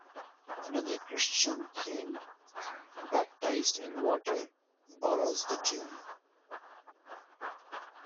Another Christian hymn, "Baptized In Water," borrows the tune.